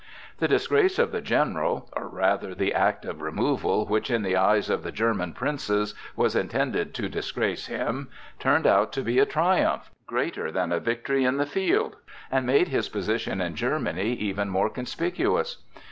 The disgrace of the general, or rather the act of removal which, in the eyes of the German princes, was intended to disgrace him, turned out to be a triumph, greater than a victory in the field, and made his position in Germany even more conspicuous.